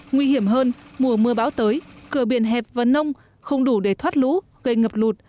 nguy hiểm hơn mùa mưa bão tới cửa biển hẹp và nông không đủ để thoát lũ gây ngập lụt